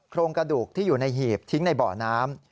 โครงกระดูกที่อยู่ในหีบทิ้งในบ่อน้ำ